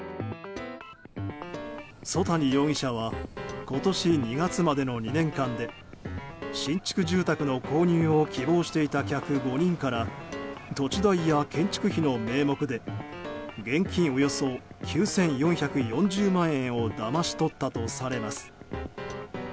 曽谷容疑者は今年２月までの２年間で新築住宅の購入を希望していた客５人から土地代や建築費の名目で現金およそ９４４０万円をだまし取ったとされます。